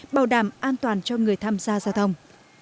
bảo đảm an toàn cho người tham gia giao thông